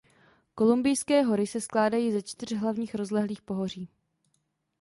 Kolumbijské hory se skládají ze čtyř hlavních rozlehlých pohoří.